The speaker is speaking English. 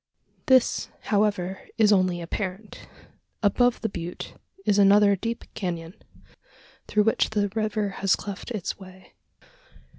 This, however, is only apparent. Above the butte is another deep canon, through which the river has cleft its way.